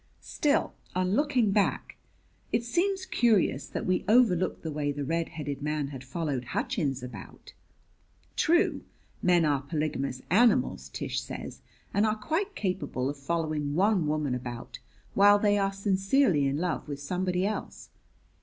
Still, on looking back, it seems curious that we overlooked the way the red headed man had followed Hutchins about. True, men are polygamous animals, Tish says, and are quite capable of following one woman about while they are sincerely in love with somebody else.